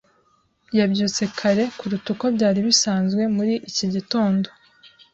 Yabyutse kare kuruta uko byari bisanzwe muri iki gitondo.